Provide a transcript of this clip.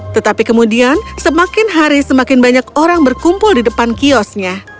tetapi kemudian semakin hari semakin banyak orang berkumpul di depan kiosnya